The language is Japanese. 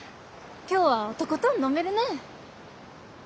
今日はとことん飲めるね！